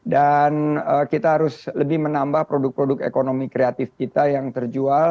dan kita harus lebih menambah produk produk ekonomi kreatif kita yang terjual